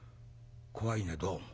「怖いねどうも。